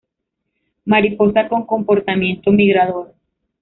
Mariposa con comportamiento migrador.